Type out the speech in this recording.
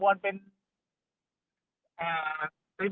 โดยได้เคลื่อนผ่าน